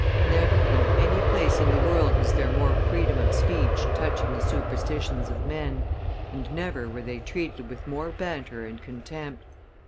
... Never in any place in the world was there more freedom of speech touching the superstitions of men, and never were they treated with more banter and contempt.